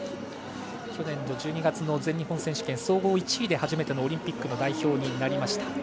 去年の１２月の全日本選手権総合１位で初めてのオリンピックの代表になりました。